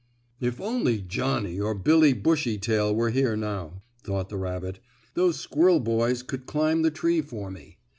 "If only Johnnie or Billie Bushytail were here now," thought the rabbit, "those squirrel boys could climb the tree for me.